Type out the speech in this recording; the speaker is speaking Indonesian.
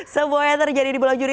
semuanya terjadi di bulan juni